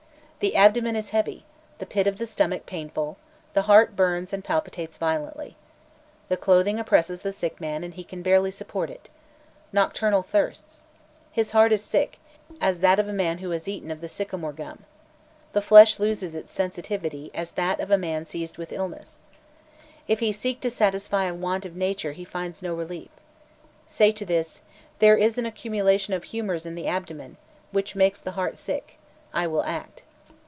"The abdomen is heavy, the pit of the stomach painful, the heart burns and palpitates violently. The clothing oppresses the sick man and he can barely support it. Nocturnal thirsts. His heart is sick, as that of a man who has eaten of the sycamore gum. The flesh loses its sensitiveness as that of a man seized with illness. If he seek to satisfy a want of nature he finds no relief. Say to this, 'There is an accumulation of humours in the abdomen, which makes the heart sick. I will act.'"